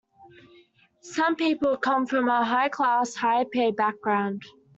Some people come from a high-class, high-pay background.